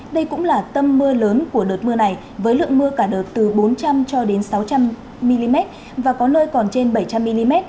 đây cũng là tâm mưa lớn của đợt mưa này với lượng mưa cả đợt từ bốn trăm linh cho đến sáu trăm linh mm và có nơi còn trên bảy trăm linh mm